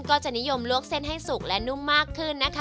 ก็จะนิยมลวกเส้นให้สุกและนุ่มมากขึ้นนะคะ